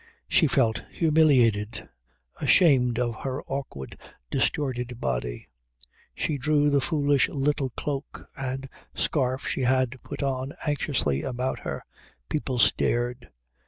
She felt humiliated, ashamed of her awkward distorted body. She drew the foolish little cloak and scarf she had put on anxiously about her. People stared.